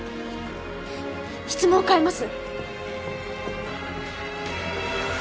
質問を変えます。